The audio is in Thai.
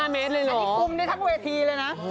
๑๕เมตรเลยเหรอกุมได้ทั้งเวทีเลยนะ